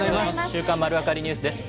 週刊まるわかりニュースです。